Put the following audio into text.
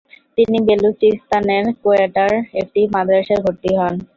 তিনি বেলুচিস্তানের কোয়েটায় একটি মাদ্রাসায় ভর্তি হন।